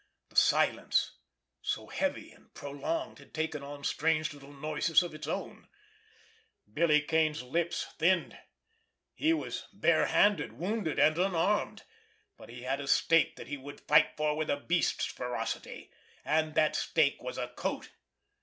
The silence, so heavy and prolonged, had taken on strange little noises of its own. Billy Kane's lips thinned. He was bare handed, wounded and unarmed, but he had a stake that he would fight for with a beast's ferocity. And that stake was a coat!